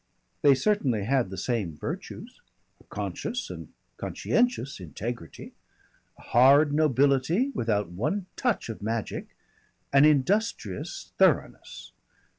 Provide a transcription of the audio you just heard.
They certainly had the same virtues, a conscious and conscientious integrity, a hard nobility without one touch of magic, an industrious thoroughness.